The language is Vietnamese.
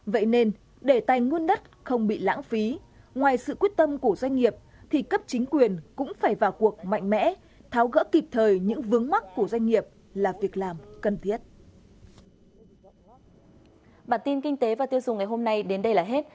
vậy nên để tài nguyên đất không bị lãng phí ngoài sự quyết tâm của doanh nghiệp thì cấp chính quyền cũng phải vào cuộc mạnh mẽ tháo gỡ kịp thời những vướng mắt của doanh nghiệp là việc làm cần thiết